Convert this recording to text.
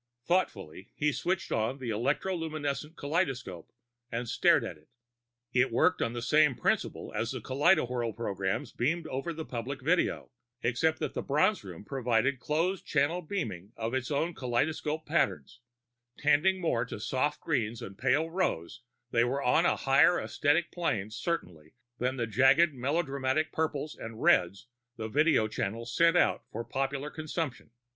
Thoughtfully, he switched on the electroluminescent kaleidoscope and stared at it. It worked on the same principle as the kaleidowhirl programs beamed over the public video, except that the Bronze Room provided closed channel beaming of its own kaleidoscopic patterns; tending more to soft greens and pale rose, they were on a higher esthetic plane, certainly, than the jagged, melodramatic purples and reds the video channels sent out for popular consumption.